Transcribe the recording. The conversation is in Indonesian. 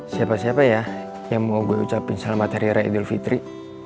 siapa siapa ya yang mau gue ucapin selamat hari raya idul fitri